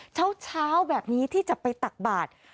เช้าแบบนี้ที่จะไปตักบาท